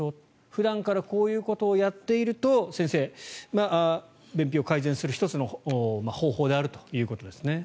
普段からこういうことをやっていると先生、便秘を改善する１つの方法であるということですね。